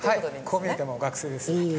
こう見えても学生です。